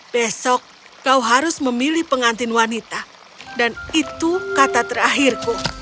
besok kau harus memilih pengantin wanita dan itu kata terakhirku